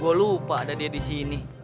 gue lupa ada dia disini